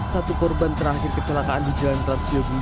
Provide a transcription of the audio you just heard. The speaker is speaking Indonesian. satu korban terakhir kecelakaan di jalan transyobu